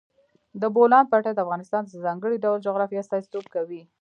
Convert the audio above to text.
د بولان پټي د افغانستان د ځانګړي ډول جغرافیه استازیتوب کوي.